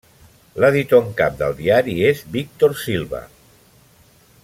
L'editor en cap del diari és Víctor Silva.